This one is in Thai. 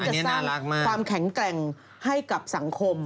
จะสร้างความแข็งแกร่งให้กับสังคม